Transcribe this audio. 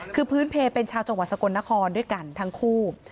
คือพื้นเพลเป็นชาวจังหวัดสกลนครด้วยกันทั้งคู่